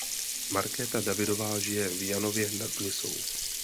Markéta Davidová žije v Janově nad Nisou.